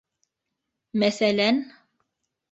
Мәҫәлән: